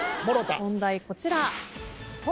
問題こちら。